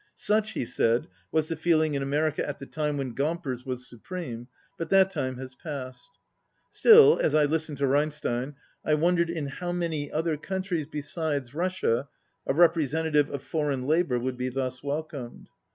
"Such," he said, "was the feeling in America at the time when Gompers was supreme, but that time has passed." Still, as I listened to Reinstein, I wondered in how many other countries besides Russia, a representa tive of foreign labour would be thus welcomed.